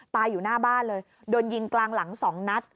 ตายอยู่หน้าบ้านเลยโดนยิงกลางหลัง๒นัด